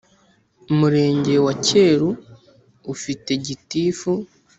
- umurenge wa cyeru ufite gitifu